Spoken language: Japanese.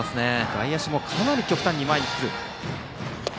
外野手もかなり極端に前に来る。